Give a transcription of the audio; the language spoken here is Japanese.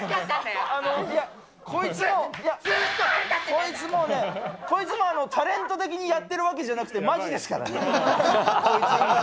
こいつもね、タレント的にやっているわけじゃなくて、まじですからね、こいつ。